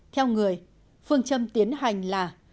theo người phương châm tiến hành là